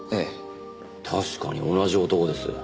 確かに同じ男です。